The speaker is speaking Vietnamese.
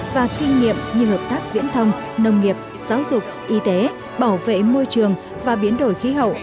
và kinh nghiệm như hợp tác viễn thông nông nghiệp giáo dục y tế bảo vệ môi trường và biến đổi khí hậu